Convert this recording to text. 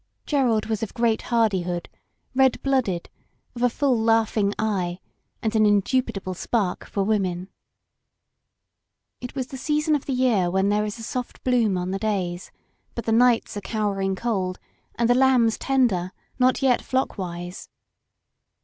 Geraud was of great hardi hood, red blooded, of a full laughing eye, and an indubitable spark for women. It was the season of the year when there is a soft bloom on the days, but the nights are cowering cold and the lambs tender, not yet flockwise.